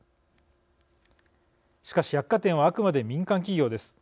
しかし百貨店はあくまで民間企業です。